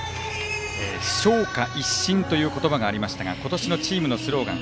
「上下一心」という言葉がありましたが今年のチームのスローガン。